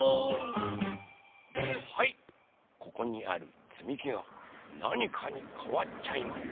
はいここにあるつみきがなにかにかわっちゃいます。